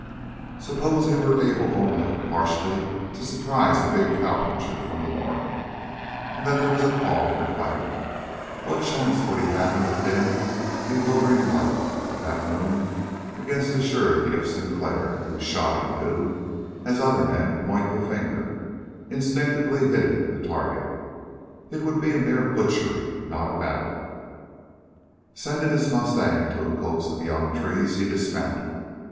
Suppose he were able only partially to surprise the big cowpuncher from the north, and that there was a call for fighting. What chance would he have in the dim and bewildering light of that moon against the surety of Sinclair who shot, he knew, as other men point the finger instinctively hitting the target? It would be a mere butchery, not a battle. Sending his mustang into a copse of young trees, he dismounted.